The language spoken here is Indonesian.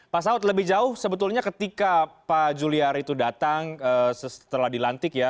pak saud lebih jauh sebetulnya ketika pak juliari itu datang setelah dilantik ya